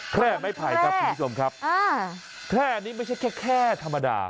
แคร่ไม่ผ่ายกับผีสมครับอ่าแคร่นี้ไม่ใช่แค่แคร่ธรรมดา